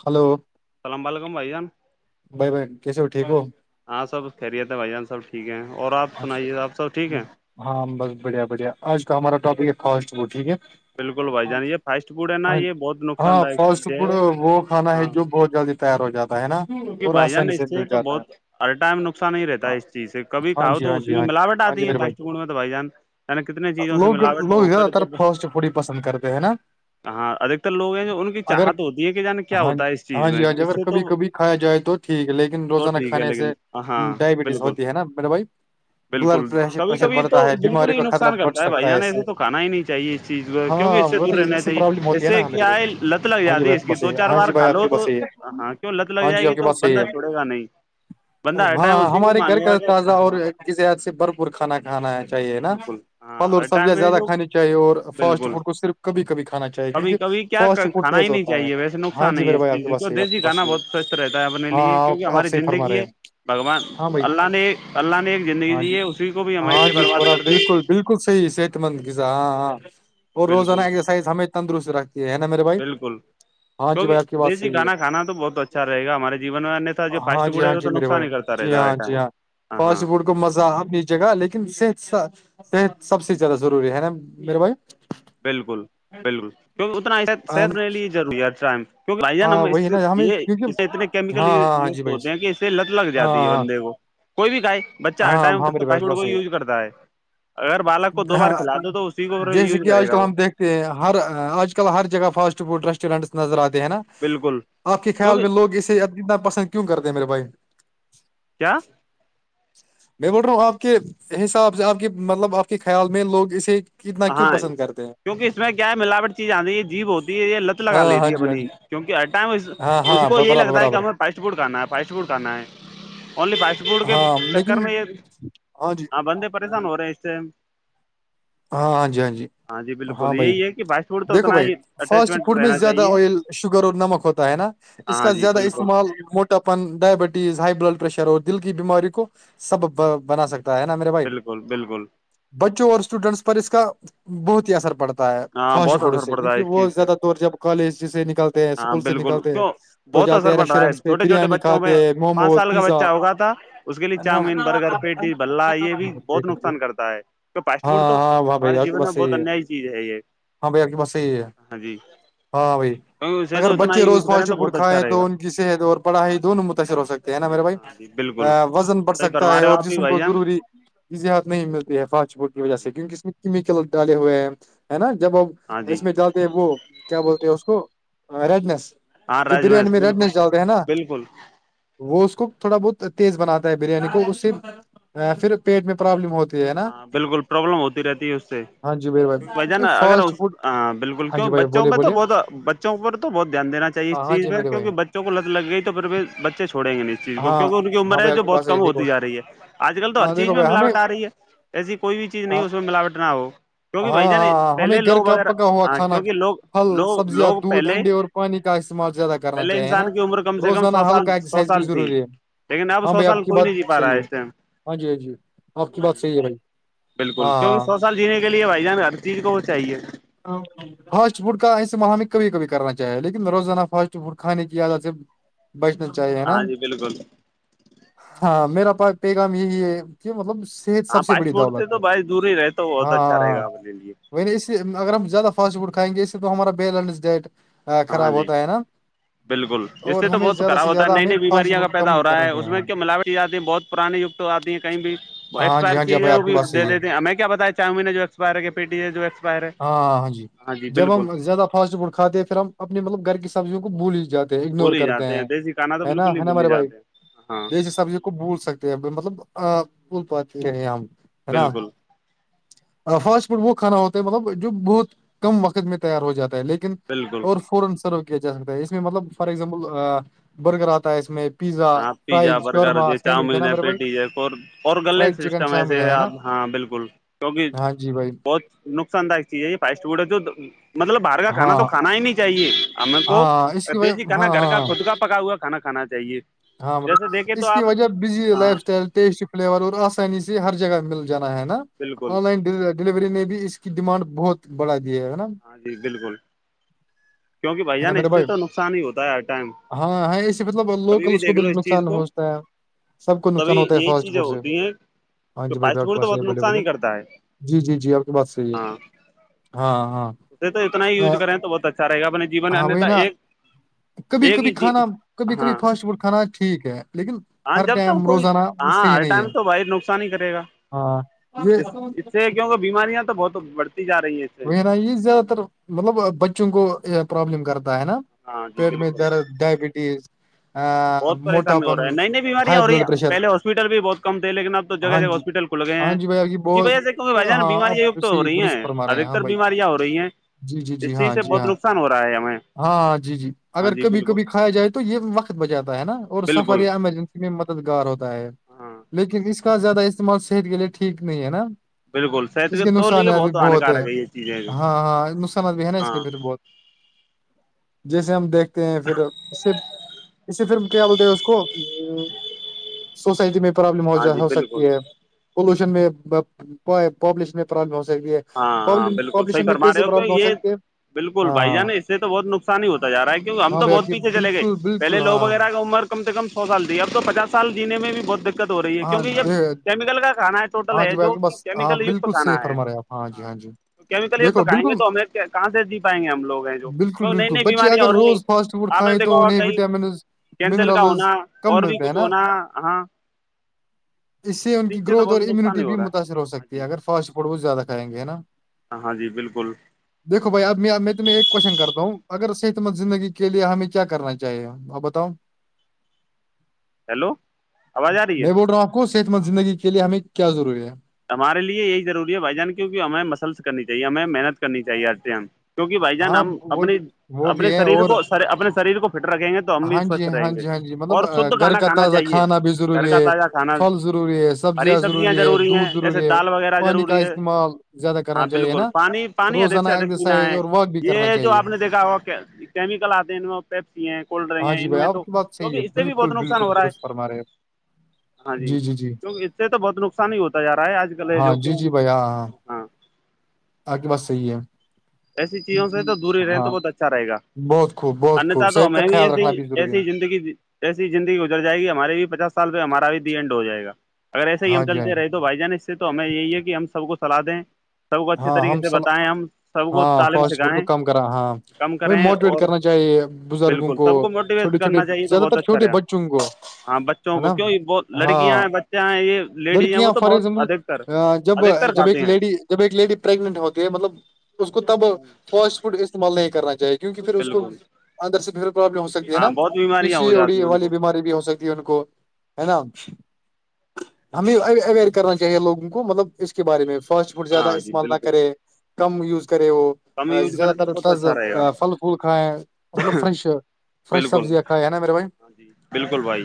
hello السلام علیکم بھائی جان بھائی کیسے ہو ٹھیک ہو ہاں سب خیریت ہے بھائی جان سب ٹھیک ہے اور آپ سنائیے آپ سب ٹھیک ہے ہاں بس بڑھیا بڑھیا آج کا ہمارا ٹاپک ہے کاسٹ وہ ٹھیک ہے بالکل بھائی جان یہ فاسٹ فوڈ ہے نا ہاں یہ بہت نقصان ہاں داک فاسٹ چیز فوڈ ہے وہ کھانا ہے ہاں جو بہت جلدی تیار ہو جاتا ہے نا کیونکہ اور بھائی جان آسانی اس سے مل تو جاتا ہے بہت ہر ٹائم نقصان ہی رہتا ہے چیز سے کبھی ہاں کاؤ جی تو ہاں اس جی میں ہاں جی ملاوٹ ہاں جی آتی ہے میرے بھائی دشٹک میں تو بھائی جان یعنی کتنے چیزوں سے ملاوٹ ہو کر ہرتر جب فاسٹ فوڈ پسند کرتے ہے نا ہاں ادھکتر لوگ ہیں جو ان کی اگر چاہت ہوتی ہے کہ جانے کیا ہاں ہوتا ہے اس چیز ہاں جی میں ہاں جی اس اگر سے تو کبھی کبھی کھایا جائے تو ٹھیک ہے لیکن تو روزانہ ٹھیک ہے کھانے سے لیکن ہاں ڈائبٹیز بالکل ہوتی ہے نا میرے بھائی بالکل بلڈ کبھی پریشر کبھی تو بڑھتا ہے بالکل بیماریوں ہی کا خطرہ نقصان بڑھ کرتا ہے بھائی سکتا جان اس سے ایسے تو کھانا ہی نہیں چاہیے اس چیز ہاں کیکہ اس سے وہ تو دور رہنا اس سے پرابلم چاہیے ہوتی ہے اسے نا میرے بھائی کیا ہے لت ہاں لگ جی دی بھائی آپ اس کی بات صحیح دو ہے چار ہاں جی بار بھائی کھا آپ لو کی بات تو صحیح ہے ہاں کی لت لگ ہاں جی جائے آپ گی کی تو بات صحیح بندہ چھڑے گا نہیں بندہ ہر ہاں ٹائم اسی کو ہمارے گھر مانگے کا گا کہ تازہ اور ہاں کذت سے بھرپور کھانا کھانا چاہیے نا بالکل ہاں پلو اور ہر سبزیاں ٹائم ہے زیادہ جو کھانی چاہیے اور فاسٹ بالکل فوڈ کو صرف کبھی کبھی کھانا چاہیے کبھی کیونکہ کبھی کیا فاسٹ فوڈ کھانا ہی تیز نہیں ہوتا ہے چاہیے ویسے ہاں نقصان جی نہیں ہے میرے اس بھائی اپ چیز کی سے بات کیوں صحیح ہے اپ کی دیسی بات کھانا صحیح ہے بہت سوستھ رہتا ہے اپنے ہاں لیے ہاں کیونکہ آپ ہماری صحیح فرما رہے زندگی ہیں ہے بگوان ہاں بھائی اللہ نے اللہ نے ایک زندگی ہاں دی جی ہے اسی کو بھی ہم ہاں ایے جی برباد برا کر دیں بالکل بالکل صحیح صحت مند غذہ ہاں ہاں اور روزانہ بالکل ایگزرسائز ہش تندرست رکھتے یہ ہے نا میرے بھائی ہاں جی کیکہ بھائی آپ کی بات دش جی صحیح ہے گانا کانا تو بہت اچھا رہے گ ہمارے جیو میں نت تھا جو فاسٹ ہاں جی فوڈ ہاں ہے وہ جی تو میرے نقصان بھائی ہی کرتا جی ہاں جی ہاں ہ فاسٹ ہاں فوڈ کو مزہ اپنی جگہ لیکن صحت صحت سب سے زیادہ ضروری ہے نا میرے بھائی بالکل بالکل کیکہ اتنا صحت منے لیے روری ہے ہر ٹائم کیک آان ہاں وہی نا ہمیں یہ اسے کیونکہ اتنے کیمیکل ہاں ہاں ہاں جی بھائی ہوتے ہیں کہ لت لگ ہاں جاتی ہے ہاں بندے کو کوئی بھی کاائے بچہ ہر ہاں ٹائم ہاں میرے بھائی کے تو کو پاس یوز کرتا ہے اگر بالک کو دو بار کھلا یہ دو تو اسی کو جیسے یوز کہ کرے آج کل گا وہ ہم دیکھتے ہر آج کل ہر جگہ فاسٹ فوڈ ریسٹورینٹس نظر آتے ہیں نا بالکل آپ کے خیال کیونکہ میں لوگ اسے اتنا پسند کیوں کرتے ہیں میرے بھائی کیا میں بول رہا ہوں آپ کے حساب سے آپ کے مطلب آپ کے خیال میں لوگ اسے کتنا کیوں ہاں پسند کرتے ہیں کیونکہ اس میں کیا ملاوٹ چیز آتی ہے جیب ہوتی ہے یہ لت لگا ہاں لیتی ہاں ہے جی ہاں جی اپنی کیونکہ ہر ٹائم ہاں اس ہاں کو ب- یہی برابر لگتا ہے کہ برابر ہمیں فاسٹ فوڈ کھانا ہے فاسٹ فوڈ کھانا ہے اونلی فاسٹ فوڈ کے ہاں چکر لیکن میں یہ ہاں بندے پریشان ہو رہے ہیں اس سے ہاں ہاں جی ہاں جی جی ہاں بالکل بھائی یہی ہے کہ فاسٹ فوڈ تو دیکھو اتنا بھائی ہی فاسٹ اٹیچمنٹ فوڈ میں رہنا زیادہ چاہیے آئل شوگر اور نمک ہوتا ہے نا اس ہاں کا جی زیادہ بالکل استعمال مو اپن ڈائبٹیز ہائی بلڈ پریشر اور دل کی بیماری کو سبب بنا سکتا ہے نا میرے بھائی بالکل بالکل بچوں اور اسٹوڈنٹس پر اس کا بہت ہی اثر پڑتا ہوتا ہے ہاں فاسٹ بہت فوڈ اثر سے پڑتا ہے کیونکہ اس چیز وہ سے زیادہ دور جب کالج سے نکلتے ہیں ہاں اسکول سے بالکل نکلتے ہیں کیوں تو بہت جاتے اثر ہیں پڑ رہا ریسٹورینٹس پہ ہےھوٹے چھوٹے بریانی بچوں پ کھاتے میں ہیں، پانچ موموز سال کا پیزا بچہ ہوگا تھا اس کے لیے ہے نا چاؤمین برگر پیٹی بللہ یہ بھی بہت ہاں نقصان کرتا ہے فاسٹ فوڈ تو ہاں واہ بھائی ہمارے آ جیون میں بس یہی بہت ہے انیای چیز ہے یہ ہاں بھائی آی بس یہحی ہے ہاں جی ہاں بھائی کیونکہ اسے اگر تو اتنا بچے ہی یوز روز کریں فاسٹ تو فوڈ بہت اچھا کائیں رہے گا تو ان کی صحت اور پڑھائی دونوں متاثر ہو سکتی ہے نا میرے بھائی ہاں جی بالکل وزن بڑھ صحیح سکتا فرما ہے رہے اور ہو آپ بھی جسم بھائی کو جان ضروری ا زحت نہیں ملتی ہے فانچ پوٹ کی ہاں وجہ سے جی کہ اس میں کیمیکل ڈالے ہوئے ہیں ہے نا جب اب ہاں جی اس میں زیادہ وہ کیا بولتے ہیں اس کو ریڈنیس ہاں جو راج بریانی مش میں بالکل رٹنے چلتے ہیں نا بالکل وہ اس کو تھوڑا بہت تیز بناتا ہے بریانی کو اس سے پھر پیٹ میں پرابلم ہوتی ہے نا ہاں بالکل پرابلم ہوتی رہتی ہے اس سے ہاں جی بھائی کی بھ جان بھائی اگر فاسٹ فوڈ بالکل ہاں کیوں جی بھائی بچوں بولے میں تو بولے بہت بچوں پر تو بہت دھیانین چاہے اس ہاں ہاں چیز جی پر میرے بھائی کیونہ بچوں کو لت لگ گئی تو پھر بچےھوڑیں گے اس چیز کو ہاں کیک ان کی ہاں عمر ہے بھائی آپ جو کی بات بہت صحیح کم دیکھو ہوتی ج رہی ہے آج کل تو ہر ہاں چیز دیکھو میں بھائی ہمیں ملاوٹ آ رہی ہے ایسی کوئی بھی چیز نہیں ہاں اس میں ملاوٹ نہ ہو کیونکہ ہاں بھائی جان ہاں ہمیں پہلے گھر لوگ ا کا پکا ہوا ہاں کھانا کیوںکہ لوگ پھل لوگ سبزیاں لوگ دودھ پہلے انڈے اور پانی کا ہاں استعمال زیادہ کرنا پہلے چاہیے نا انسان کی عمر کم سے کم روزانہ سو سال ہلکا سو ایکسرسائز بھی سال تھی ضروری ہے لیکن اب ہاں سو بھائی آپ سال کی کوئی بات نہیں جی پا رہا ہے صحیح اس سے ہاں جی ہاں جی آپ کی ہ بات صحیح ہے بھائی بالکل کیونکہ ہاں سو سال جینے کے لیے بھائی جان ہر چیز کو وہ چاہیے او [unintelligible] فاسٹ فوڈ کا ایس ماہ میں کبھی کبھی کرنا چاہے لیکن روزانہ فاسٹ فوڈ کھانے کی عادت سے بچنا چاہیے ہے نا ہاں جی بالکل ہاں میرا پ پیغام یہی ہے کہ مطلب صت ہاں سب سے بڑی پاسپورٹ دولت تو ہے بھائی دور ہی رہے تو بہت اچھا رہے ہاں گا اپنے لیے میں اس لیے اگر ہم زیادہ فاسٹ فوڈ کھائیں گے اسے تو ہمارا بیلنس ڈائٹ ہاں خراب جی ہوتا ہے نا بالکل اس اور سے تو ہمیں بہت زیادہ خراب سے ہوتا ہے زیادہ نئی ہمیں نئی فاسٹ بیماریاں کا فوڈ پیدا کم ہو رہا کرنا ہے چاہیے میں ہاں کیا ملاوٹی ہیں بہت پرانانی یگت تو آتی ہیں کہیں بھی ہاں جی ایکسپائر ہاں جی بھائی چیزیں وہ آپ کی بھی بات صحیح د ہے دیتے ہیں میں کیا بتایا چاہوں میں نے جو بارے کے پیٹی ہے جو ای ہاں ہاں ہاں جی جب ہم زیادہ فاسٹ فوڈ کھاتے ہیں پھر ہم اپنے مطلب گھر کی سبزیوں کو بھول ہی جاتے اگنور بھول ہی کرتے جاتے ہیں دیسی کھانا تو ہے نا بالکل ہی ہے نا بھول ہی ہمارے بھائی جاتے ہیں ہاں دیش سبھی کو بھول سکتے ہیں مطلب بھول پاتے ہیں ہم ہے نا بالکل فاسٹ فوڈ وہ کھانا ہوتا ہے مطلب جو بہت کم وقت میں تیار ہو جاتا ہے لیکن بالکل اور فورن سرو کیا جا سکتا ہے اس میں مطلب فار ایگزامپل برگر آتا ہے اس میں پیزا ہاں پیزا فرائز برگر شورما سینڈوچ چاؤمین نا ہے میرے بھائی پیٹیظ اور غل فرائڈ چکن سسٹم شامل ایسے ہے ہے نا آپ ہاں بالکل بکل کیونکہ ہاں جی بھائی بہت نقصان دائک چیز ہے یہ پٹڈ ہے جو مطلب باہر کا کھا ہاں تو کانا ہی نہیں چاہیے ہم کو ہاں اس کی وجہ دیک جی کھانا ہاں گھر ہاں کا ہاں خود کا پکا ہوا کھانا کھانا چاہیے ہاں جیسے مطلب دیکھے تو اس کی آپ وجہ بزی ہاں لائف اسٹائل ٹیس فلیور اور آسانی سے ہر جگہ مل جانا ہے نا بالکل آن لائن ڈ ڈیلیوری نے بھی اس کی ڈیمانڈ بہت بڑھا دی ہے نا ہاں جی بالکل [inaudible] کیوںک بھائی نا جان اس میرے سے تو نقصان ہی ہوتا ہے ہر ٹائم ہاں ہاں ایے مطلب کبھی لوکل اس کو دیکھ بھی لو چیز نقصان کو ہوچتا ہے سب کو نقصان تبھی ہوتا ہے یہی فاسٹ چیزیں فوڈ سے ہوتی ہیں ہاں کہ جی بھائی پ فاسٹ آپ کے فوڈ تو پاس بہت بولے نقصان بولے ہی کرتا ہے جی جی جی آپ کی بات صحیح ہے ہاں ہاں ہاں اسے تو اتنا ہی آ، یوز کریں تو بہت اچھا رہے گا اپنے جین میں ہاں وہی انیہتا نا ایک کبھی ایک کبھی ہی کھانا کبھی کبھی ہاں فاسٹ فوڈ کھانا ٹھیک ہے لیکن ہاں ہر جب تک ٹائم کوئی روزانہ اس ہاں سے یہ ہر نہیں ٹائم ہے تو بھائی نقصان ہی کرے گا ہاں اس اس سے کیونکہ بیماریاں تو بہت بڑتیا رہی ہے وہ نا یہ زیادہ تر مطلب بچوں گوو یہ پربلم کرتا ہے نا ہاں جی پیٹ میں بالکل درد ڈائبٹیز بہت پریشانی ہو رہا موٹاپن ہے نئی نئی بیماریاں ہائی ہو رہی ہیں بلڈ پریشر پہلےاسپٹل بھی بہت کم تھے لیکن اب تو جگہ ہاں جگہ جی ہاسپٹل کو گئے ہاں ہیں جی بھائی آپ کی اسی بہت وجہ سے کیوںکہ بھائی جان ہاں اب بیماریاکت ہو صحیح رہی درست ہیں فرما رہے ادک ہاں بھائی بیماریاں ہو رہی ہیں جی جی جی اس چیز ہاں سے جی بہت ہاں نقصان ہو رہا ہے ہمیں ہاں جی جی ہاں اگر جی کبھی بالکل کبھی کھایا جائے تو یہ وقت بچاتا ہے نا اور سفر بالکل یا ایمرجنسی میں مددگار ہوتا ہے ہاں لیکن اس کا زیادہ استعمال صحت کے لیے ٹھیک نہیں ہے نا بالکل صحت اس کے تو نقصان لیے ا بھی بہت ہے ہانیکارک یہ چیزیں ہاں ہاں نقصانات بھی ہے نا اس ہاں کے پھر بہت جیسے ہم دیکھتے ہیں پھر اس سے اس سے پھر کیا بولتے ہیں اس کو سوسائٹی میں پرابلم ہاں ہوا جی ہو بالکل سکتی ہے پولوشن میں پاپولیشن میں پرابلم ہو سکتی ہے ہاں ہاں بالکل صحی پاپولیشن میں فرم رہے کیسے ہو کہ پرابلم یہ سکتی ہے بالکل بھائی ہاں جانا اس سے تو بہت نقصان ہی ہوتا جا رہا ہے ہم ہاں تو بھیا بہت پیھے چل گئے بالکل پہے بالکل لو ہاں وغیرہ کا عمر ک سے ک سال دی ا تو پچاس سالی میں بھی بہت دت دقت ہو رہی ہے کیونکہ یہ ہاں کیمیکل کا کانا ہے ٹوٹل ہاں ہے جی جو بھائی بس ہاں کیمیکل کت بالکل کھانا صحیح ہے فرما رہے ہیں آپ جی ہاں جی تو کیمیکل یہ دیکھو پکائیں گے بالکل تو ہمیں کہاں سے جی پائیں گے ہم لوگ ہیں جو بالکل کی نئی بالکل نئی بچے بیماریاں اگر ہو رہی ہیں روز فاسٹ فوڈ آپ نے کھائیں دیکھا تو ہوگا انہیں کہیں وٹامنس کینسل کا ہونا اور بھی کچھ ہونا ہاں اس سے ان کی ٹھیک تو گروتھ اور بہت نقصان امیونٹی ہی بھی رہا متاثر ہو ہاں سکتی ہے جی اگر فاسٹ فوڈ وہ زیادہ کھائیں گے ہے نا ہاں جی بالکل دیکو بھائی اب میں تمہیں ایک کوشچن کرتا ہوں اگر صحت مند زندگی کے لیے ہمیں کیا کرنا چاہیے اپ بتاؤ ہیلو آواز آ رہی ہے میں بول رہا ہوں آپ کو صحت مند زندگی کے لیے ہمیں کیا ضروری ہے ہمارے یہی ضروری ہے بھائی جان کیونکہ ہمیں مسلس کر چاہیے ہمیں محنت کرنی چاہیے ہر م کیوںکہ بھائی جان ہاں ہم وہ اپنی بھی وہ اپنے بھی ہے شریر کو اور اپنے شریر کو فٹ رکھیں گے تو ہم بھی ہاں جی سوستھ ہاں رہیں گے جی ہاں جی مطلب اور شھ آ، گھر کھانا کا کھانا تازہ چاہیے بھی گھر ضروری کا ہے تازہ کھانا پھل ضروری ہے ہری سبزیاں ضروری ہے روری ہیں دودھ جسے ضروری ہے دال وغیرہ پانی کا ضروری ہے استعمال زیادہ کرنا ہاں چاہیے بالکل نا پانی پانی ادھک روزانہ سے ادھک پینا ایکسرسائز ہے اور واک بھی کرنا یہ جو چاہیے آپ نے دیکھا ہو کیمیکل آتے ہیں ان میں پپسی ہیں کولڈ ڈرنک ہاں ہے جی ان بھائی میں آپ تو کی بات صحیح ہے کیکہ اس سے بھی بالکل بہت نقصان بالکل ہو رہا درست ہے فرما رہے ہاں جی کیکہ اس سے تو بہت نقصان ہی ہوتا جا رہا ہے آج کل ہے ہاں جو جی کیوں آ کے بس صحیح ہے ایسی چیزوں سے ہم، تو دوری رہیں تو ہاں بہت اچھا رہےا بہت خوب بہت انت خوب تو صحت کا ہمیں بھی خیال ایسے رکھنا ہی ضروری ایسیے ہے ہی زندگی ایسی ہی زندگی گزر جائے گی ہمارے بھی پچس سال پہ ہمارا دی اینڈ ہو جائےا اگر ایسے ہی ہم ہاں جی ہاں چلتے جی رہتے تو بھائی جان اس سے تو ہمیں یہی ہے کہ ہم سب کو سلاح دیں سب کو اچھے ہاں طریقے ہم سے سل بتائیں ہم کو ہاں تالب فاسٹ فوڈ کو سکھائیں کم کرا ہاں کم ہمیں کریں موٹیویٹ اور کرنا چاہیے بزرگوں بالکل سب کو موٹو چھوٹے چھوٹے کرنا چاہیے تو زیادہ بہت تر اچھا چھوٹے رہا بچوں کو ہے ہاں بچوں کو نا کیوں یہ بہت لڑکیاں ہاں ہیں بچے ہیں یہ لیڈیز ہیں وہ لڑکیاں تو فار بہت ادھ ر ایگزامپل جب ادھکتر جب ایک کھاتے ہیں لیڈی جب ایک لیڈی پریگنٹ ہوتی ہے مطلب اس کو تب فاسٹ فوڈ استعمال نہیں کرنا چاہیے کیونکہ پھر اس کو بالکل اندر سے ب پرابلم ہو سکتی ہے ہاں نا بہت بیماریاں ہو پیسیی جاتی اڑی ہیں ان والی کو بیماری بھی ہو سکتی ان کو ہے نا ہمیں اویئر کرنا چاہیے لوگوں کو مطلب اس کے بارے میں فسٹ ف زیادہ ہاں جی استعمال نہ بالکل کرے کم یوز کرے وہ کم یوز زیادہ کریں تو تر بہت ترز اچھا رہے گا پھل پھول کھائے ہیں مطلب فریش فریش بالکل سبزیاں کھائے ہے نا میرے بھائی ہاں جی بالکل بھائی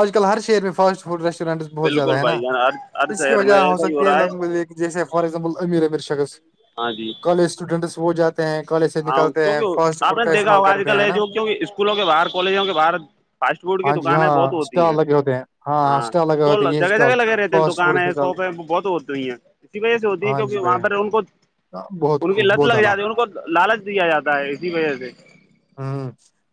آج کل ہر شعر میں فاسٹ فڈیسٹورینٹس بہت زیادہ بالکل ہے نا بھائی جان ہر ہر اس کی شہر وجہ میں ہو ایسا ہی سکتی ہے رہا لوگ جیسے فار ایگزامپل امیر امیر شخص ہاں جی کالج اسٹوڈنٹس وہ جاتے ہیں کالج سے ہاں نکلتے ہیں کیکہ فاسٹ آپ فوڈ نے کا دیکھا استعمال ہوگا آج کرتے کل ہیں ہے نا جو کی اسکولوں کے باہر کالجوں کے باہر فاسٹ فوڈ کی ہاں جی دکانیں بہت ہاں ہوتی اسٹال ہیں لگے ہوتے ہاں لگے ہوتے اسٹال ہیں یہ جگہ جگہ لگے رہتے ہیں فاسٹ فوڈ کے دکانیں ساتھ سوپ وہ بہت ہوتی ہیں اسی وجہ سے ہوتی ہیں ہاں جی کیکہ وہاں پر بھیا ان کو بہت ان کی خوب لت بہت لگ اعلی جاتی ان کو لالچ دیا جاتا ہے اسی وجہ سے ہوں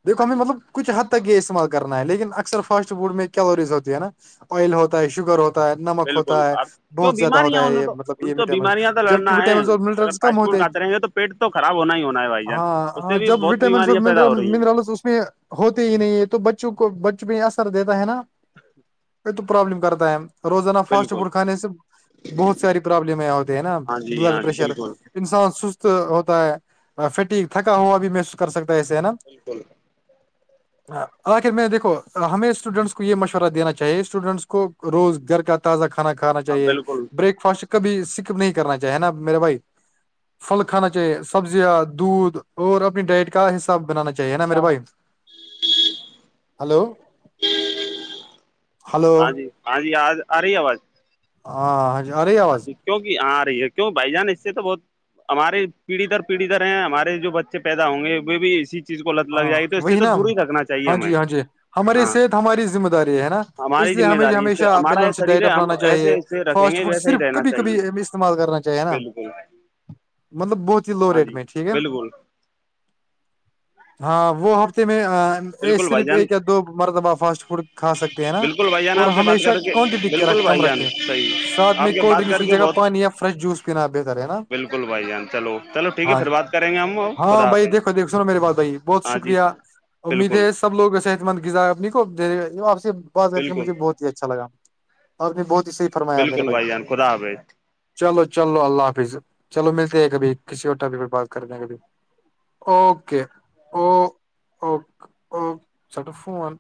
دیکھو ہاں ہمیں جی مطلب کچھ حد تک یہ استعمال کرنا ہے لیکن اکثر فاسٹ فوڈ میں کیلوریز ہوتی ہے نا آئل ہوتا ہے شوگر ہوتا ہے نمک بالکل ہوتا ہے اب کیوں بہت زیادہ بیماریاں ہوتا انہیں یہ تو مطلب ان یہ تو وٹامن بیماریاں تو جبک لڑنا ہے وٹامنس اور اگر منرلس کم فاسٹ فوڈ ہوتے ہیں کھاتے رہیں گے تو پیٹ تو خراب ہونا ہی ہونا ہے بھائی جان ہاں اس ہاں سے بھی جب بہت وٹامنس اور بیماریاں پیدا م ہو رہی ہیں منرل اس میں ہوتے ہی نہیں ہے تو بچوں کو بچوں پ اثر دیتا ہے نا [inaudible] ک تو پرابلم کررتاائیں روزنا فاسٹ بالکل فڈ کانے سے بہت ساری پرابلمیں ہوتے ہے نا ہاں جی ہاں بلڈ جی پریشر بالکل انسان سست ہوتا ہے فٹیک تھکا ہوا بھی میں کر سکتا ایسے ہے نا بالکل آخر میں دیکو ہمیں اسٹوڈینٹس کو یہ مشورہ دینا چاہیے اسٹوڈینٹس کو روز گھر کا تازہ کھانا کھانا ہاں چاہیے بالکل بریک فاسٹ کبھی سک نہیں کرنا چاہیے نا میرے بھائی پھل کھانا چاہیے سبزیاں دودھ اور اپنی ڈائٹ کا حساب بنانا چاہیے ہے نا میرے بھائی ہلو ہلو ہاں جی ہاں جی آ آ رہی ہے آواز ہاں ہاں جی ارے آواز کیوںک کہ آ رہی ہے کیوں بھائی جان اس سے تو بہت ہمارے پیڑھی در پیڑھی در ہیں ہمارے جو بچے پیدا ہوں گے وہ بھی اسی چیز کو لت لگ ہاں جائے گی تو اس سے وہی تو نا دور ہی رکھنا چاہیے ہاں ہمیں جی ہاں جی ہماری ہاں صحت ہماری ذمہ داری ہے نا اس ہماری لیے ذمہ ہمیں داری اس سے ہمیشہ ہمارا یہ بیلنس شریر ڈائٹ ہے ہم اپنانا ایسے چاہیے ایسے رکھیں فاسٹ گے فوڈ ویسا ہی صرف رہنا کبھی کبھی چاہیے استعمال کرنا چاہیے نا بالکل مطلب بہت ہی لو ہاں ریٹ جی میں ٹھیک ہے بالکل ہاں وہ ہفتے میں بالکل بھائی صرف جان ایک یا دو مرتبہ فاسٹ فوڈ کھا سکتے ہیں نا بالکل بھائی جان اور آپ سے بات ہمیشہ کر کے کوانٹٹی کیا بالکل کم بھائی جان رکھیں صحیح سھ آپ میں کے کولڈ بات ڈرنکس کر کی کے جگہ بہت پانی یا فریش جوس پینا بہتر ہے نا بالکل بھائی جان چلو چلو ٹھیک ہے پھر بات کریں گے ہم وہ خ بائی دیکو دیک سنو می باتائی بہت شکریہ امید بالکل ہے سب لوگ صحت مند غذا اپنی کو آپ سے بس کر کے بالکل مجھے بہت ہی اچھا لگا آپ نے بہت ہی صحیح فرمایا میرے بالکل بھائی جان خدا حافظ چلو چلو اللہ حافظ چلو ملتے ہیں کبھی کسی اور ٹپی پ بات کرنے کبھی اوکے او اوکے اوک سٹا فون